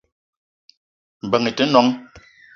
Mbeng i te noong